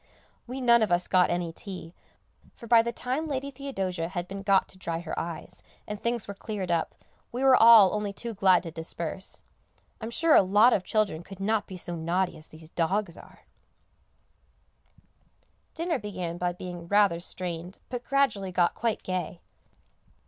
We none of us got any tea, for by the time Lady Theodosia had been got to dry her eyes, and things were cleared up, we were all only too glad to disperse. I am sure a lot of children could not be so naughty as these dogs are. [Sidenote: A prudent Retirement] Dinner began by being rather strained, but gradually got quite gay.